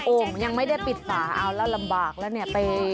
ยังไม่ได้ปิดฝาเอาแล้วลำบากแล้วเนี่ย